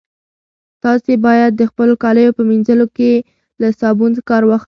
تاسي باید د خپلو کاليو په مینځلو کې له صابون کار واخلئ.